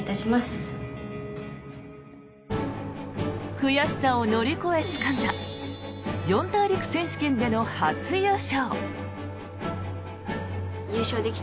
悔しさを乗り越え、つかんだ四大陸選手権での初優勝。